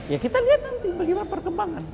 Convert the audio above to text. ya kita lihat nanti bagaimana perkembangan